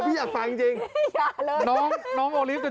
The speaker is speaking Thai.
พี่ขอได้ยินไหมค่ะ